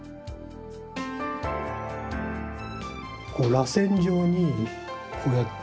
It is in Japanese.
らせん状にこうやって。